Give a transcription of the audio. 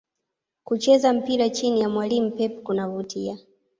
Kucheza mpira chini ya mwalimu Pep kunavutia